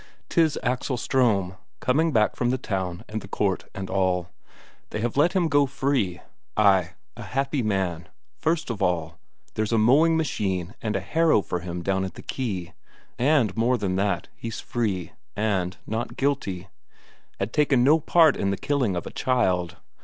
'Tis Axel Ström, coming back from the town and the court and all they have let him go free. Ay, a happy man first of all, there's a mowing machine and a harrow for him down at the quay, and more than that, he's free, and not guilty. Had taken no part in the killing of a child.